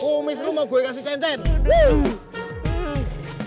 kumis lu mau gue kasih cen cen